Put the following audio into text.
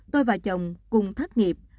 tôi và chồng cùng thất nghiệp